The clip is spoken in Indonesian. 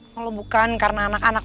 kalau bukan karena anak anak